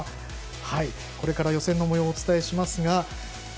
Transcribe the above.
これから予選のもようをお伝えします。